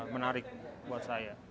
menarik buat saya